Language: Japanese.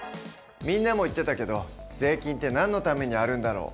みんなも言ってたけど税金ってなんのためにあるんだろう？